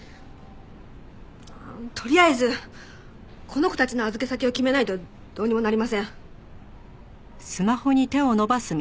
とりあえずこの子たちの預け先を決めないとどうにもなりません。